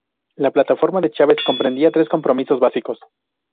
La plataforma de Chávez comprendía tres compromisos básicos.